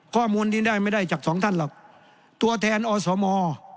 ข้อมูลนี้ได้ไม่ได้จากสองท่านหรอกตัวแทนอสม